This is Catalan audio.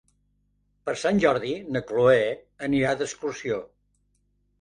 Per Sant Jordi na Cloè anirà d'excursió.